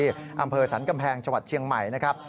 อำเภอสรรกำแพงจังหวัดเชียงใหม่นะครับ